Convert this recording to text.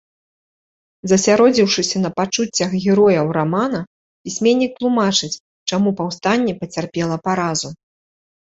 Засяродзіўшыся на пачуццях герояў рамана, пісьменнік тлумачыць, чаму паўстанне пацярпела паразу.